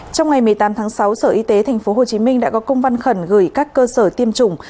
trong ngày một mươi tám tháng sáu sở y tế tp hcm đã có công văn khẩn gửi các cơ sở tiêm chủng